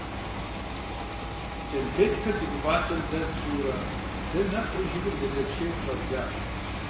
КӀэнфетхэр ди гуфӀакӀэм дэз тщӀыурэ, дэ нэхъри жыгым дыдэпщейуэ щӀэддзащ.